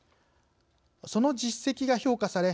その実績が評価され